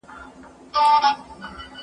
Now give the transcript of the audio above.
که دروازه خلاصه شي، ماشوم به بیرته راشي.